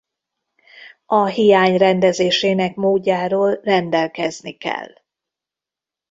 A hiány rendezésének módjáról rendelkezni kell.